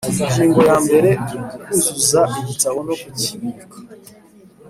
Ingingo ya mbere Kuzuza igitabo no kukibika